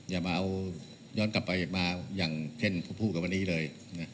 อย่ามาเอาย้อนกลับไปมาอย่างเช่นพูดกับวันนี้เลย